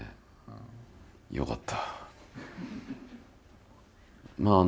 よかった。